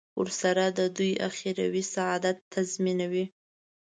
ورسره د دوی اخروي سعادت تضمینوي.